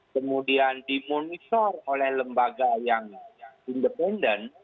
kemudian dimonitor oleh lembaga yang independen